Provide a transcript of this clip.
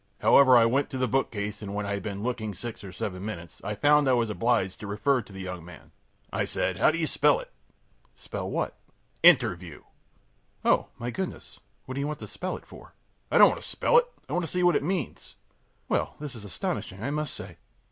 However, I went to the bookcase, and when I had been looking six or seven minutes I found I was obliged to refer to the young man. I said: ōHow do you spell it?ö ōSpell what?ö ōInterview.ö ōOh, my goodness! what do you want to spell it for?ö ōI don't want to spell it; I want to see what it means.ö ōWell, this is astonishing, I must say.